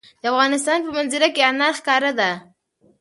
د افغانستان په منظره کې انار ښکاره ده.